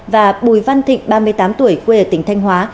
và bùi văn thịnh ba mươi tám tuổi quê ở tỉnh thanh hóa